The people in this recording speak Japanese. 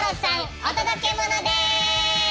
お届けモノです！